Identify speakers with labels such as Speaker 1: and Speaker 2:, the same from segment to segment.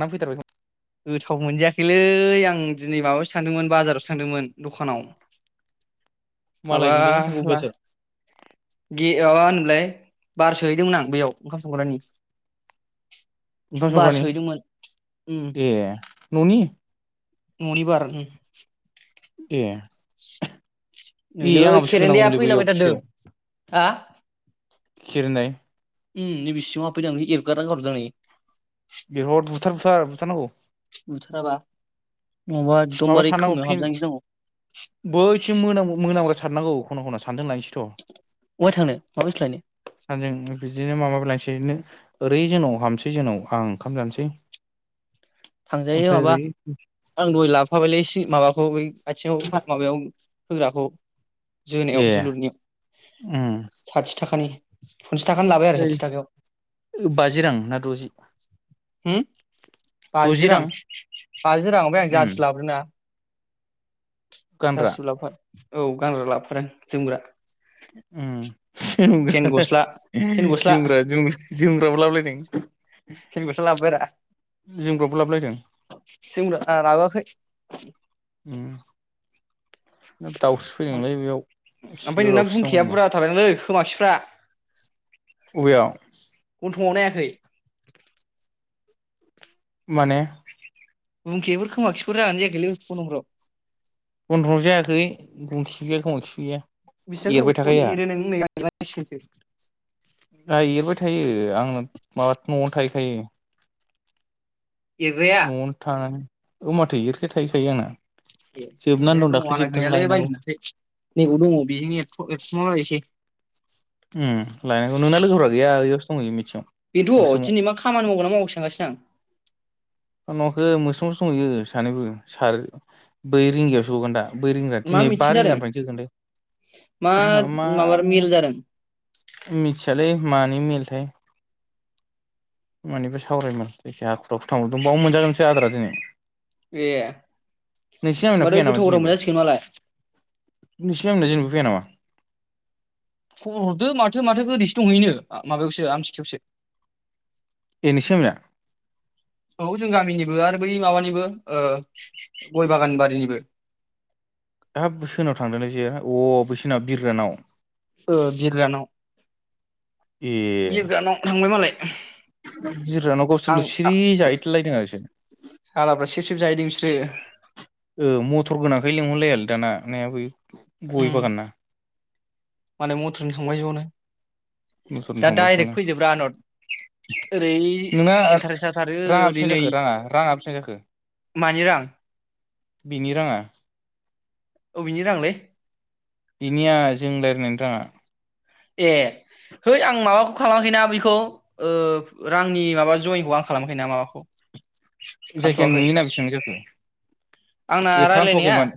Speaker 1: ना फैथारबाय खोमा
Speaker 2: गोथाव मोनजायाखैलै आं दिनै माबायावासो थांदोंमोन बाजारावसो थांदोंमोन दखानाव माबा
Speaker 1: मालानिलै अ
Speaker 2: ला
Speaker 1: बेसोर
Speaker 2: गे माबा होनलाय बार सोहैदोंमोन आं बेयाव ओंखाम संग्रानि ।
Speaker 1: ओंखाम संग्रानि
Speaker 2: उम
Speaker 1: ए न'नि
Speaker 2: ननि बार
Speaker 1: दे
Speaker 2: नैलै खेरेन्दाया
Speaker 1: सोनांगौमोनलै बैयाव
Speaker 2: फैलाबायथारदों । हा
Speaker 1: खिरनाय
Speaker 2: उम नैबे सिंङाव हाबफैदों एरगारना गारहरदांनै
Speaker 1: बिहद बुथार बुथार बुथारनांगौ ।
Speaker 2: बुथाराबा नङाबा
Speaker 1: माबा
Speaker 2: एकदमबारे
Speaker 1: सारनांगौ
Speaker 2: खोमायाव
Speaker 1: फिन
Speaker 2: हाबजानो गिनांगौ
Speaker 1: बैथिं मोनाम मोनामग्रा सारनांगौ ख'ना ख'ना सानदों लायनोसैथ'
Speaker 2: बहाय थांनो माबुसथु लायनो
Speaker 1: नायसैनो ओरै जोंनाव हामसै जोंनाव आं ओंखाम जानोसै
Speaker 2: थांजायो
Speaker 1: ओमफ्राय
Speaker 2: माबा
Speaker 1: ओरै
Speaker 2: आं दहाय लाब माबालै माबाखौ बै आथिङाव माबायाव होग्राखौ
Speaker 1: ए
Speaker 2: जोनायाव जोलुरनियाव
Speaker 1: उम
Speaker 2: साथिथाखानि फनसास थाखानि लाबाय आरो
Speaker 1: ओइ
Speaker 2: साथि थाखायाव
Speaker 1: बाजि रां ना द'जि
Speaker 2: बाजि रां बाजि रां ओमफ्राय आं
Speaker 1: उम
Speaker 2: जारसिलाबोदोंना
Speaker 1: गानग्रा
Speaker 2: जारसिखौ लाबोफा औ गानग्रा लाफादों जोमग्रा फेन गस्ला फेन गस्ला
Speaker 1: जोमग्रा जोमग्रा जोमग्राबो लाबोलायदों
Speaker 2: फेन गस्ला लाबोबाय रा
Speaker 1: जोंमग्राबो लाबोलायदों
Speaker 2: [unintelligible]
Speaker 1: उम दाउस्रि फैदोंलोय बेयाव
Speaker 2: ओमफ्राय
Speaker 1: सिलायाव
Speaker 2: नोंना
Speaker 1: दाउस्रि
Speaker 2: गुंखाया
Speaker 1: दंमोनखोमा
Speaker 2: बुरजा थाबायलै खोमाखिफ्रा
Speaker 1: अबेयाव
Speaker 2: गनथंङाव नायाखै
Speaker 1: माने
Speaker 2: गंखिफोर खोमाखिफोर जागोनना जायाखैलै गनथंफ्राव
Speaker 1: गनथंङाव जायाखै गुंखि गैया खोमाखिबो गैया एरबाय
Speaker 2: बिसबांगोबाव
Speaker 1: थाखायो
Speaker 2: एरो नों नै [unintelligible]
Speaker 1: आंहा एरबाय थायो आंनो माथो न'आवनो थाहैखायो
Speaker 2: एरग्राया
Speaker 1: नवावनो थानानै ओ माथो [unintelligible] थायोखायो आंना
Speaker 2: ए
Speaker 1: जोबनानै
Speaker 2: एरैना
Speaker 1: दं
Speaker 2: दङ
Speaker 1: दाख्लै
Speaker 2: आंना
Speaker 1: जोबदों
Speaker 2: गैयालै [unintelligible]
Speaker 1: लायनांगौ
Speaker 2: नैबाव दङ बेजोंनो [unintelligible]
Speaker 1: उम लायनांगौ नोंना लोगोफ्रा [unintelligible]
Speaker 2: बेनथ'
Speaker 1: मोस्रोमाव
Speaker 2: दिनै मा खामानि मावगोना मावासै सानगासिनो आं
Speaker 1: न'खौ मोस्रावसो संहैयो सानैबो सार बै रिंगायावसो हगोन दा बै रिंगा
Speaker 2: मा
Speaker 1: दिनै बा
Speaker 2: मिथिं जादों
Speaker 1: रिंगानिफ्रायनो
Speaker 2: मा
Speaker 1: जोगोनलै मा
Speaker 2: माबा मेल जादों
Speaker 1: मिथियालै मानि मेलथाय मानिफ्राय सावरायामोन ऐसे हाखु दाखु थांब्रबदो़ बाव मोनजागोनसै आद्रा दिनै
Speaker 2: ए
Speaker 1: नोंसिनि आंनिया
Speaker 2: माथो
Speaker 1: फैया नामा
Speaker 2: गोथाव गोथाव
Speaker 1: दिनैबो
Speaker 2: मोनजासिगोन मालाय
Speaker 1: नोंसिनि आंना जेबो फैया नामा
Speaker 2: खबर हरदो माथो माथोखौ दिस दंहैनो माबायावसो आमथिखायावसो
Speaker 1: ए नोंसिनि गामिना
Speaker 2: [inaudible] औ जों गामिनिबो आर बै माबानिबो ओ गय बागान बारिनिबो [inaudible]
Speaker 1: हाब बो सोरनाव थांदोंथाय जेआ अ बैसोनाव बिरग्रानाव
Speaker 2: ओ बिरग्रानाव
Speaker 1: [inaudible] ए
Speaker 2: बिरग्रानाव थांबाय मालाय
Speaker 1: बिरग्रानाव
Speaker 2: आं
Speaker 1: गावसोरल' सिरि जाहैथलायदों आरो [unintelligible]
Speaker 2: सालाफ्रा सिब सिब जाहैदों फिस्रो
Speaker 1: ओ मथर गोनांखाय लेंंहरलायालै दाना नायाबो गय बागानना
Speaker 2: माने मथरजों थांबाय जनो
Speaker 1: मथरजों
Speaker 2: दा
Speaker 1: थांबायसोमोन
Speaker 2: डाइरेक्ट
Speaker 1: आं
Speaker 2: फैदोब्रा ओनद ओरै
Speaker 1: नोंना
Speaker 2: इन्टारेस्ट जाथारो
Speaker 1: राङा
Speaker 2: ओरै
Speaker 1: बेसेबां
Speaker 2: नै
Speaker 1: जाखो राङा राङा बेसेबां जाखो
Speaker 2: मानि रां
Speaker 1: बिनि राङा
Speaker 2: अबेनि रांलै
Speaker 1: बिनिया जों लायरायनायनि राङा
Speaker 2: ए है आं माबाखौ खालामाखैना बैखौ ओ रांनि माबा जयेनखौ आं खालामाखैना माबाखौ
Speaker 1: जायखिजाया
Speaker 2: खालामथ'वाखै
Speaker 1: नुयोना बेसेबां जाखो
Speaker 2: आंना
Speaker 1: ए
Speaker 2: रायलायनाया
Speaker 1: खालामथ'वाखैमोन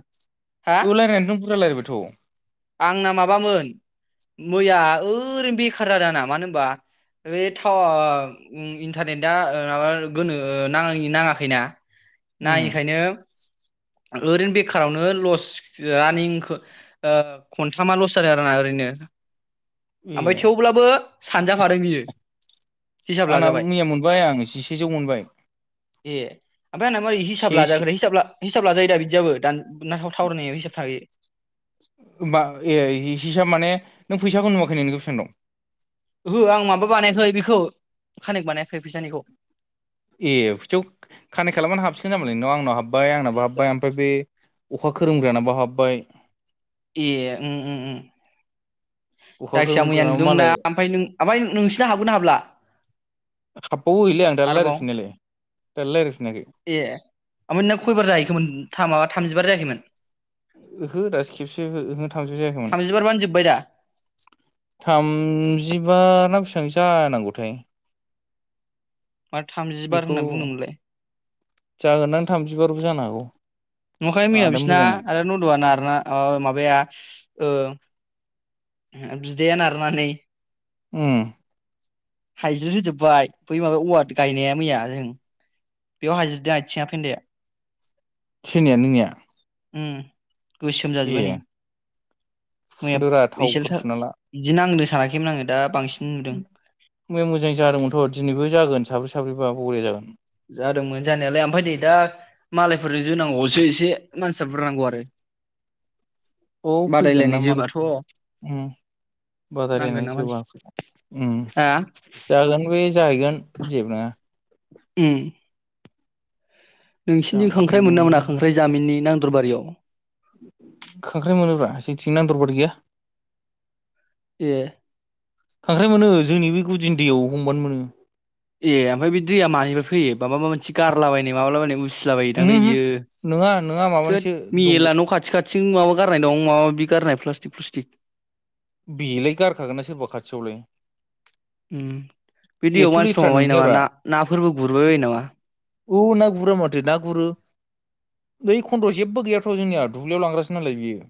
Speaker 2: हा
Speaker 1: ओ लायरायनायाथ' बुरजा लायरायबाय थ'
Speaker 2: आंना ओरै बेखार जा मानो होनबा बे थाव ओ ओम इन्टारनेटआ ओ माबा गोनो नाङा नाङाखैना
Speaker 1: उम
Speaker 2: नाङैखायनो ओरैनो बेखारावनो लस रानिंखो ओ खनथामा लस जादों आरोना ओरैनो आमफाय
Speaker 1: ए
Speaker 2: थेवब्लाबो सानजाफादो बियो हिसाब
Speaker 1: आंना
Speaker 2: लाजाबाय
Speaker 1: मिया मोनबाय आं जिसेजौ मोनबाय
Speaker 2: ए आमफ्राय आंना मारै
Speaker 1: से
Speaker 2: हिसाब लाजाखोथाय हिसाब ला हिसाब लाजायो दा बिदियाबो [unintelligible] ना टावार नाङैयाबो हिसाब थायो
Speaker 1: होमबा ए हिसाब माने नों फैसाखौ नुवाखै नों बेसेबां दं
Speaker 2: ओहो आं माबा बानायाखै बेखौ कानेक्ट बानायाखै फिसानिखौ
Speaker 1: ए फैसायाव कानेक्ट खालामनानै हाबसिगोन जामालाय नोंनाव आंनाव हाब बाय आंनाबो हाबबाय आमफाय बे अखा खोरोमग्रानाबो हाबबाय
Speaker 2: ए उम उम उम
Speaker 1: अखा
Speaker 2: जायखिया मैया
Speaker 1: खोरोमग्रानाबो
Speaker 2: नुदोंमोनना
Speaker 1: मालाय
Speaker 2: आमफाय नों आमफाय नोंसिना हाबगोनना हाबला
Speaker 1: हाबबावो एलाय आं दालाय
Speaker 2: आरोबाव
Speaker 1: लायरायफिननायालाय दालाय लायरायफिनाखै [inaudible]
Speaker 2: ए थामजि बार जायाखैमोन
Speaker 1: [inaudible] हो दासो खेबसे ओहो थामजि जायाखैमोन
Speaker 2: थामजिबारबानो जोब्बाय दा
Speaker 1: थामजिबा ना बे सांसो जानांगौथाय
Speaker 2: मा थामजि बार
Speaker 1: बेखौ
Speaker 2: होननानै बुंदोंमोनलाय
Speaker 1: जागोनदां थामजिबारबो जानो हागौ
Speaker 2: नुवाखै मैया
Speaker 1: आदा
Speaker 2: बिसिना
Speaker 1: मोजां
Speaker 2: आदा ननदुवा नारना माबा-माबाया ओ बिदाया नारनानै
Speaker 1: उम
Speaker 2: हायज्रिद होजोबबाय बै माबा औवा गायनाया मैया जों बेयाव हायज्रिदजों आथिङा फेन्दाया
Speaker 1: सोरनिया नोंनिया?
Speaker 2: उम गोसोम जाजोब्बाय नै
Speaker 1: ए
Speaker 2: मैया
Speaker 1: फुदोरा थावफोर
Speaker 2: एसेल'थार
Speaker 1: फुना ला
Speaker 2: बिदि नांदो सानाखैमोन आङो दा बांसि
Speaker 1: मैया मोजां जादोंमोनथ' दिनैबो जागोन साबैसे थाफैबा बरिया जागोन
Speaker 2: जादोंमोन जानायालाय आमफ्राय नै दा मालायफोरजों जोनांगौवावसो एसे मानसिया बुरजा नांगौ आरो
Speaker 1: औ फैगोन ना
Speaker 2: बादायलायनाय
Speaker 1: मालाय
Speaker 2: जोबाथ'
Speaker 1: उम
Speaker 2: नांगोन
Speaker 1: बादायलायनाय
Speaker 2: ना
Speaker 1: सोरबा
Speaker 2: मानसि
Speaker 1: उम
Speaker 2: हा
Speaker 1: जागोन बे जाहैगोन जेबो नङा
Speaker 2: उम
Speaker 1: जा
Speaker 2: नोंसिनथिं खांख्राइ मोनोना मोना
Speaker 1: उम
Speaker 2: खांख्राइ जामिननि नां दरबारियाव
Speaker 1: खांख्राइ मोनोब्रा जोंथिं नांदर बारि गैया
Speaker 2: ए
Speaker 1: खांख्राइ मोनो जोंनि बे गुदिनि दैयाव हमबानो मोनो
Speaker 2: ए आमफाय बे दैया मानिफ्राय फैयो बामाबा मोनसे गारलाबायनाय माबालाबायनाय उस सिलाबायोदांलै
Speaker 1: उमहो उमहो
Speaker 2: बियो
Speaker 1: नोङा नोङा
Speaker 2: थोद
Speaker 1: माबानिसो दंग'
Speaker 2: मेला न' खाथि खा थिं माबा गारनाय दं माबा माबि गारनाय प्लास्टिक प्लुस्टिक
Speaker 1: बिलाय गारखागोनना सोरबा खाथियावलाय
Speaker 2: उम बि दैयाव
Speaker 1: एथ'
Speaker 2: मानसिफ्रा
Speaker 1: लेथ्रा
Speaker 2: माबायो नामा
Speaker 1: नोंहैयाब्रा
Speaker 2: ना-नाफोरबो गुरबायबायो नामा?
Speaker 1: औ ना गुरा माथो ना गुरो बै खन्द'वाव जेबो गैयाथ' जोंनिया दुब्लियाव लांग्रासो नालाय बियो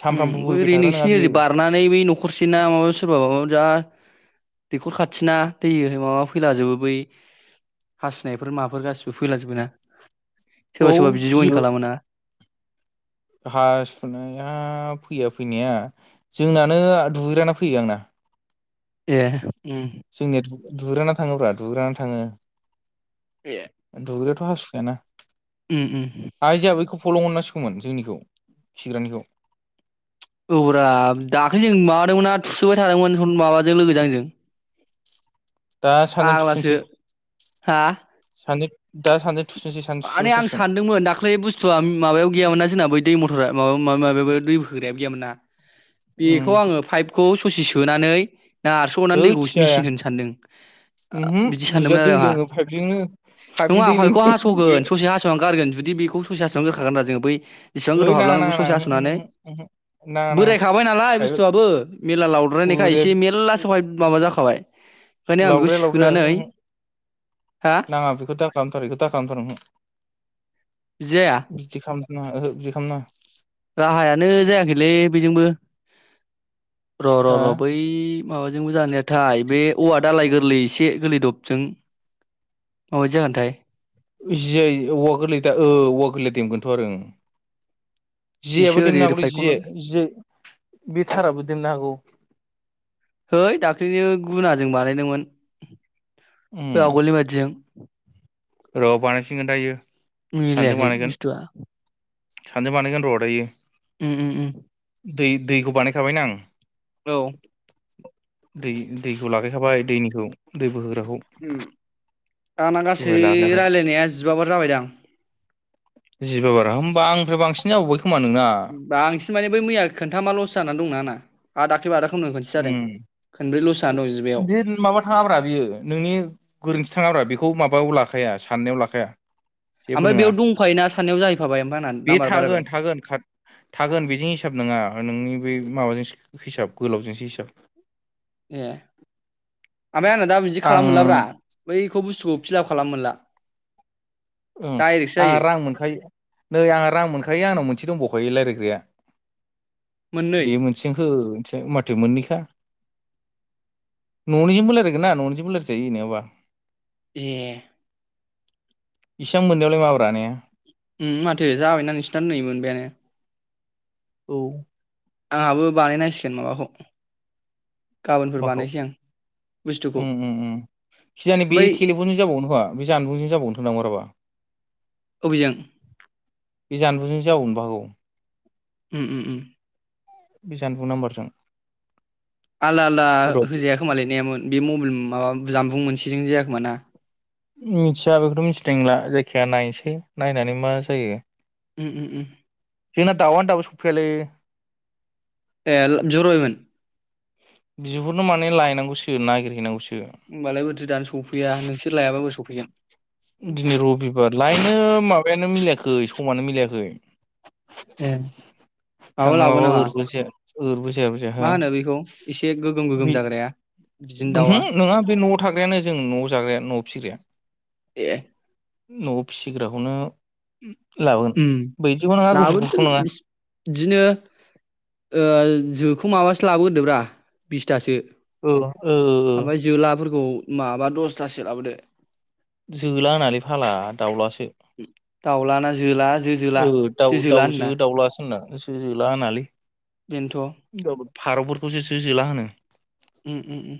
Speaker 1: सानफ्रामबो
Speaker 2: उम
Speaker 1: बोबाय
Speaker 2: ओरै
Speaker 1: थाग्रा नङा
Speaker 2: नोंसिनि
Speaker 1: बियो
Speaker 2: ओरै बारनानै बै न'खरसे ना माबा सोरबा माबा जा दैखर खा थिना दैयावहाय माबा फैलाजोबो बै हाससिनायफोर माबाफोर गासिबो फैलाजोबो ना। सोरबा सोरबा बिदि जइन खालामो ना।
Speaker 1: हासुनाया फैया फैनाया जोंनानो दुगैग्राना फैयो आंना।
Speaker 2: ए उम
Speaker 1: जोंनियाव दु गैग्राना थाङोब्ला दुगैग्राना थाङो।
Speaker 2: ए
Speaker 1: [unintelligible] हासु खायाना
Speaker 2: उम उम
Speaker 1: फलं मोननांसिगौमोन जोंनिखौ खिग्रानिखौ
Speaker 2: औरा दाख्ललि जों माबादोंमोनना थुसुबाय थादोंमोन माबाजों लोगोजों आंजों।
Speaker 1: दा सानैजों
Speaker 2: फाग्लासो
Speaker 1: थुफिनसै
Speaker 2: हा
Speaker 1: सानै दा सानजों
Speaker 2: माने आं सानदोंमोन दाख्लै बुस्थुआ माबायाव गैयामोन ना जोंना बै दै मथरा माबा माबा माब दै होग्रायाब गैयामोन ना। बेखौ
Speaker 1: उम
Speaker 2: आङो पाइपखौ खुसि सोनानै ना आरस' अनानै
Speaker 1: हैद
Speaker 2: दैखौ
Speaker 1: जाया
Speaker 2: मेसिन होनो आ सानदों
Speaker 1: उमहो
Speaker 2: बिदि
Speaker 1: बुजिया
Speaker 2: सानदोंमोन
Speaker 1: दै
Speaker 2: आरो आंहा
Speaker 1: लोङो पाइपजोंनो पाइपजों
Speaker 2: नङा
Speaker 1: दै
Speaker 2: पाइपखौ
Speaker 1: लोङो
Speaker 2: हास
Speaker 1: बुजिया
Speaker 2: सगोन ससे हास'आव गारगोन जुदि बेखौ ससे हास'नो गार थागोना जों बै जसेबां
Speaker 1: है
Speaker 2: गोथाव
Speaker 1: नाङा
Speaker 2: हाबलाङो बे
Speaker 1: नाङा
Speaker 2: ससे
Speaker 1: नाङा उमहो
Speaker 2: हास'नानै
Speaker 1: उमहो नाङा नाङा
Speaker 2: बोरायखाबाय नालाय
Speaker 1: फाइप
Speaker 2: बुस्थुआबो मेरला लावद्रायनायखाय
Speaker 1: बोराया
Speaker 2: एसे मेरला सहाय माबा जाखाबाय। ओंखायनो आं बेखौ
Speaker 1: लावद्राया लावद्राया
Speaker 2: सोनानै
Speaker 1: उमहो उमहो
Speaker 2: हा
Speaker 1: नाङा बेखौ दाखालामथार बेखौ दा खालाम
Speaker 2: बिदि जाया
Speaker 1: बिदि खालाम नाङा ओहो बिदि खालामनाङा।
Speaker 2: राहायानो जायाखैलै बेजोंबो र' र' र' बै
Speaker 1: हो
Speaker 2: माबाजोंबो जानायाथाय बे औवा दालाय गोरलै एसे गोरलै दबजों माबादि जागोनथाय?
Speaker 1: उजियै औवा गोरलै दा औवा दमगोनथ' आरो ओं
Speaker 2: एसे
Speaker 1: जेयायाबो
Speaker 2: ओरै
Speaker 1: देननो
Speaker 2: ओरै
Speaker 1: हागौ
Speaker 2: फायखनला
Speaker 1: जियाजियाबो बे थाराबो दोमनो हागौ।
Speaker 2: जों बानायदोंमोन
Speaker 1: उम
Speaker 2: आगलनि बादिजो
Speaker 1: र बानायफिनगोन दायो
Speaker 2: मिलायाखै बुस्थुआ
Speaker 1: सानैजों बानायगोनर दायो
Speaker 2: उम उम उम
Speaker 1: दै दैखौ बानायखाबायना आं
Speaker 2: औ
Speaker 1: दै दैखौ लागाखाबाय दैनि दै दै बोहो
Speaker 2: उम दाना गासै
Speaker 1: दहाय लागायबाय
Speaker 2: रायलायनाया जिबा बार जाबायदां?
Speaker 1: जिबा बार होमबा आंनिफ्राय बांसिन जाबाव
Speaker 2: बांसिन माने बै मैया खोन्थामा लस जानानै दंना आंना । [unintelligible]
Speaker 1: उम
Speaker 2: जिबायाव
Speaker 1: बे माबा थाङाब्रा बियो नोंनि गोरोन्थि थाङाब्रा बेखौ माबायाव लाखाया साननायाव लाखाया । जेबो
Speaker 2: ओमफ्राय
Speaker 1: नोङा
Speaker 2: बेयाव दंफायोना सानैयाव जाहैफाबाय ओमफ्राय आंना
Speaker 1: बे
Speaker 2: नाम्बार बारायबाय
Speaker 1: थागोन थागोन खाद थागोन बेजों हिसाब नङा नोंनि बे माबाजोंसो हिसाब गोलावजों जिसा
Speaker 2: ए ओमफ्राय आंना दा बिदि खालामनो मोनलाब्रा
Speaker 1: आं
Speaker 2: बैखौ बुस्थुखौ फिलाब खालामनो मोनला ।
Speaker 1: उम आंहा रां मोनखायो नै आंहा रां मोनखायो आंनाव मोनसे दंबावखायो रायलाय ग्राया
Speaker 2: मोननै
Speaker 1: बे मोनसेजों हो थि माथो मोननैखा ननिजोंबो रायलायगोनना ननिजोंबो रायजायो जेनबा ।
Speaker 2: ए
Speaker 1: इसां मोननायावलाय माब्र ने?
Speaker 2: उम माथो जाबायना नोंसोरना नै मोनबायानो ।
Speaker 1: औ
Speaker 2: आंहाबो बानायनांसिगोन माबाखौ गाबोनफोर
Speaker 1: माखौ
Speaker 2: बानायसै आं बुस्थुखौ
Speaker 1: उम उम उम खिजानो बे
Speaker 2: ओमफ्राय
Speaker 1: थेलेफनजों जाबावगोन खोमा? बे जानबुंजों जाबावनोथ ना बाराबा
Speaker 2: अबेजों
Speaker 1: बे जानबुंजों जाबावनोबो हागौ ।
Speaker 2: उम उम उम
Speaker 1: बे जानबुं नाम्बारजों
Speaker 2: आलदा आलदा
Speaker 1: र'
Speaker 2: होजाया खोमालै ने नायामोन [unintelligible] बे मबाइल माबा जानबुं आ मोनसेजों जायाखोम ना?
Speaker 1: मिथिया बेखौथ' मिथिनाय नंला जायखिजाया नायसै नायनानै मा जायो?
Speaker 2: उम उम
Speaker 1: जोंना दाउआनो दाबो सफैयालै ।
Speaker 2: ए जरइभेन [unintelligible]
Speaker 1: बिहरनो माने लायनांगौसो नागिरहैनांगौसो ।
Speaker 2: होमबालाय बोरैथो दानो सफैया नोंसोर लायाबाबो सौफैया ।
Speaker 1: दिनै रबिबार लायनो माबायानो मिलायाखै । यै समानो मिलायाखै थांनो
Speaker 2: लाबो
Speaker 1: माबा
Speaker 2: नामा
Speaker 1: ओरैबो जाया ओरैबो जाया
Speaker 2: मा
Speaker 1: ओमहो
Speaker 2: होनो बेखौ एसे गोगोम गोगोम जाग्राया बिदिनो दाउआ
Speaker 1: नङा बे न'आव थाग्रायानो जों न'आव जाग्राया न'आव फिसिग्राया ।
Speaker 2: ए
Speaker 1: न'आव फिसिग्राखौनो लाबोगोन
Speaker 2: उम
Speaker 1: बैदिखौ नङा गुफुर
Speaker 2: लाबोदो
Speaker 1: गुफुरखौ नङा
Speaker 2: बिदिनो ओ जो खौ माबासो लाबोगोरदोब्रा बिसथासो
Speaker 1: ओ ओ ओ ओ
Speaker 2: खौ माबा दसथासो लाबोदो
Speaker 1: जोला होनालै फाग्ला दाउलासो
Speaker 2: दाउलाना जोला जोजोला
Speaker 1: औ दाउ
Speaker 2: जोजोला
Speaker 1: दाउजो
Speaker 2: होनोना
Speaker 1: दाउलास जोंना जो जोला होनालै
Speaker 2: बेनोथ'
Speaker 1: फारौफोरखौसो जो जोला होनो
Speaker 2: ओम ओम ओम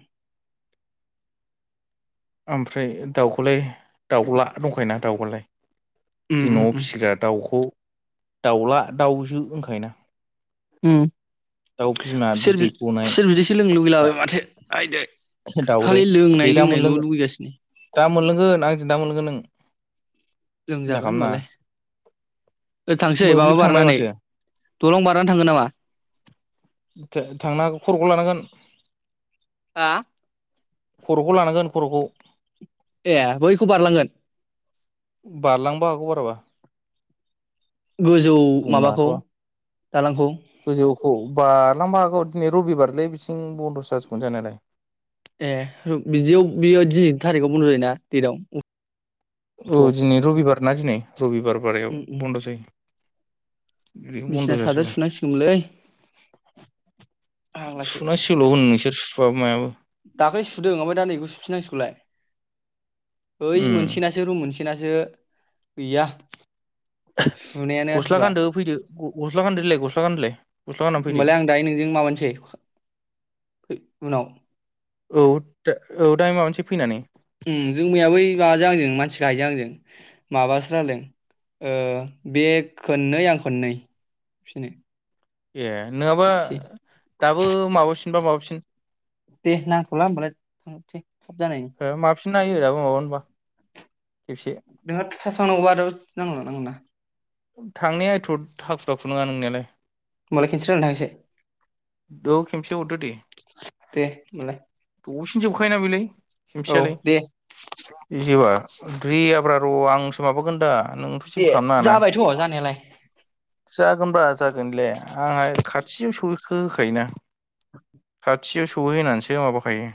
Speaker 1: ओमफ्राय दाउखौलाय दाउला दंखायोना दावखौलाय
Speaker 2: उम
Speaker 1: दि
Speaker 2: उम
Speaker 1: न'आव
Speaker 2: उम
Speaker 1: फिसिग्रा दाउखौ दाउला दाउजो होनखायोना
Speaker 2: ओम
Speaker 1: दाउ बिमा
Speaker 2: खुसेर
Speaker 1: बिदै
Speaker 2: बि
Speaker 1: गनाय
Speaker 2: बिदैसो लोंनो लुबैलाबायबाय माथो आयदै
Speaker 1: दाउदै
Speaker 2: खालि
Speaker 1: दे
Speaker 2: लोंनाय
Speaker 1: दा
Speaker 2: लोंनायल'
Speaker 1: मोनलों
Speaker 2: लुगैगासिनो
Speaker 1: दा मोनलों गोन आंजों दा मोनलोंगोन नों सिन्था
Speaker 2: लोंजागोन
Speaker 1: खालामनाङा
Speaker 2: होमबालाय ओरै थांसै माबा
Speaker 1: मोब्लिब थांबाय
Speaker 2: बारनानै
Speaker 1: माथो
Speaker 2: दलं बारनानै थांगोन नामा
Speaker 1: थांनो हागौ खर'खौ लानांगोन
Speaker 2: हा
Speaker 1: खर'खौ लानांगोन खर'खौ
Speaker 2: ए बैखौ बारलांगोन
Speaker 1: बारलांनोबो हागौ बाराबा
Speaker 2: गोजौ
Speaker 1: बुंनो
Speaker 2: माबाखौ दालांखौ
Speaker 1: औ बारलांनोबो हागौ दिनै रबिबारलै बिथिं बन्द'सो जाजोबगोन जानायालाय
Speaker 2: ए बिदियाव बियो दिनैनि थारिखआव बन्द' जायोना डेटआव
Speaker 1: औ दिनै रबिबार ना दिनै रबिबार बारायाव
Speaker 2: उम उम
Speaker 1: बन्द' जायो बिखौ बन्द'
Speaker 2: बिसिना सादोर
Speaker 1: जाजोबसिगोन
Speaker 2: सुनांसिगौमोनलै
Speaker 1: र
Speaker 2: फाग्लासो
Speaker 1: सुनांसिगौल' होन नोंसोर सुवाबो मायाबो
Speaker 2: दाख्लै सुदों ओमफ्राय दा नै बेखौ सुफिनांसिगौलाय ओइ
Speaker 1: उम
Speaker 2: मोनसेनासो रुम मोनस बिनासो सुनायानो
Speaker 1: गस्ला
Speaker 2: आसुरा
Speaker 1: गानदो फैदो गस्ला गान्दोलाय गस्ला गानदोलाय गस्ला गाननानै फैदो
Speaker 2: होमबालाय आं दायो नोंजों माबानोसै उनाव
Speaker 1: औ दा औ दाहाय माबानोसै फैनानै
Speaker 2: उम जों मैया बै माबाजों आंजों मानसि गाहायजों आंजों माबासो जादों ओ बे खोननै आं खोननै फिनो
Speaker 1: ए नोङाबा दाबो माबासि होनबा माबाफिन
Speaker 2: दे नांथ'ला होमबालाय थांसै थब जानायनि
Speaker 1: फिन नायोबा माबा होनबा
Speaker 2: नोंहा फिथा सावनांगौबा आरो नांगौ नामा नोंना
Speaker 1: थांनाया एथ हाखु दाखु नङा नोंनायालाय
Speaker 2: होनबालाय खिनसे रायलायना थांनोसै
Speaker 1: औ खेमसे हरदो दे
Speaker 2: दे होमबालाय
Speaker 1: दसेनो जोबखायोना बेलाय
Speaker 2: औ
Speaker 1: खेनसेयालाय
Speaker 2: दे
Speaker 1: जोबा द्रियाब्रा र' आंसो माबागोन दा नोंथ' जेबो
Speaker 2: ए जाबायथ' जानायालाय
Speaker 1: जागोनबा जागोनले आंहा खाथिसो सो बोखो होखायोना
Speaker 2: [inaudible]
Speaker 1: खाथियाव सहै होनानैसो माबाखायो